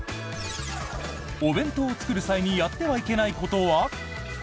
お弁当を作る際にやってはいけないことは？